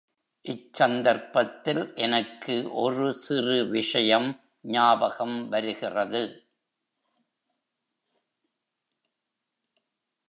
இச்சந்தர்ப்பத்தில் எனக்கு ஒரு சிறு விஷயம் ஞாபகம் வருகிறது.